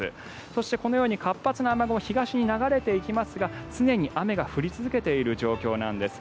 そしてこのように活発な雨雲東に流れていきますが雨が降り続く状況です。